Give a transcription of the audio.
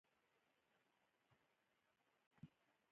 خپله فیصله کوله.